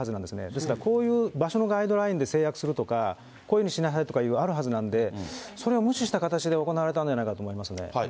ですから、こういう場所のガイドラインで制約するとか、こういうふうにしなさいとかいうのがあるはずなんで、それを無視した形で行われたんじゃないかと思いますね。